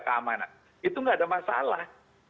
keamanan itu nggak ada masalah